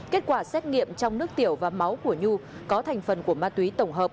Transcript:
kết quả xét nghiệm trong nước tiểu và máu của nhu có thành phần của ma túy tổng hợp